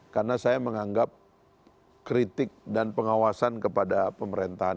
karena saya menganggap kritik dan pengawasan kepada pemerintahan